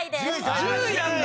１０位なんだ！